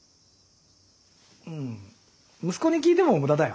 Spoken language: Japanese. うん息子に聞いても無駄だよ。